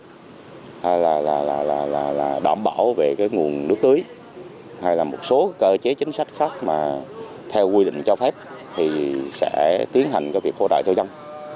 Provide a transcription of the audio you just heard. phòng kỹ thuật nông nghiệp tổng qua mình đã theo dõi sử dụng và xác định đó là một l delve vụ đảm bảo về cái nguồn nước tưới hay là một số cơ chế chính sách khác mà theo quy định cho phép thì sẽ tiến hành cái việc hỗ trợ cho dân